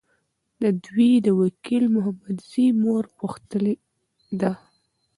دوی د وکیل محمدزي مور پوښتلي ده.